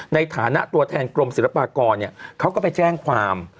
ในฐานะตัวแทนกรมศิลปากรเขาก็ไปแจ้งความ